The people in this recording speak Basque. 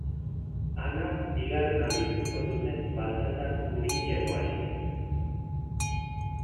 Ana bigarren aldiz ezkondu zen Baltasar Turingiakoarekin.